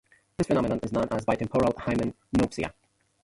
This phenomenon is known as bitemporal hemianopsia.